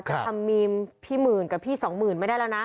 แต่ทำมีมพี่หมื่นกับพี่สองหมื่นไม่ได้แล้วนะ